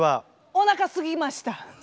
おなかすきました。